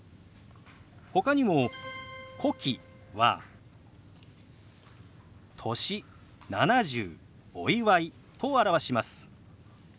ほかにも「古希」は「歳」「７０」「お祝い」と表します。